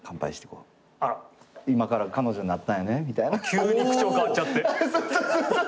急に口調変わっちゃって。